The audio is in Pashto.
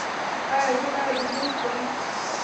ایا زه باید ووځم؟